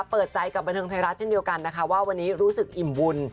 เปิดใจกับบันเทิงไทยรัฐเช่นเดียวกันนะคะว่าวันนี้รู้สึกอิ่มบุญ